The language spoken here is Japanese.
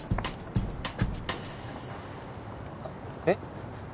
えっ？